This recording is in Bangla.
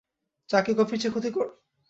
চা কি কফির চেয়ে ক্ষতিকর?